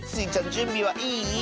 じゅんびはいい？